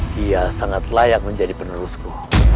dia sangat layak menjadi penerusku